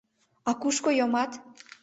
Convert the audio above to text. — А кушко йомат?